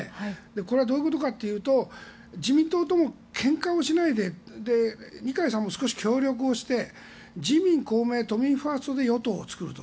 これは、どういうことかというと自民党とけんかをしないで二階さんも少し協力をして自民・公明・都民ファーストで与党を作ると。